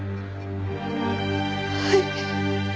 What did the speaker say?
はい。